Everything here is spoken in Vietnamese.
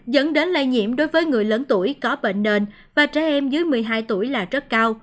dẫn đến lây nhiễm đối với người lớn tuổi có bệnh nền và trẻ em dưới một mươi hai tuổi là rất cao